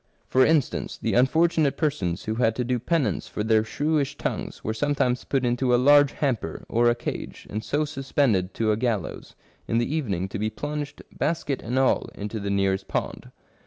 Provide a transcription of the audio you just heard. For instance, the un fortunate persons who had to do penance for their shrewish tongues were sometimes put into a large hamper, or a cage, and so suspended to a gallows, in the evening to be plunged, basket and all, into the nearest pond.